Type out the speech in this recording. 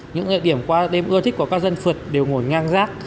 những điểm qua đêm ưa thích của các dân phật đều ngồi ngang rác